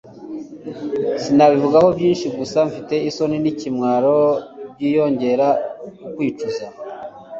sinabivugaho byinshi gusa mfite isoni nikimwaro byiyongera kukwicuza